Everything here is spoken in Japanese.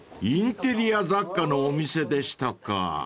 ［インテリア雑貨のお店でしたか］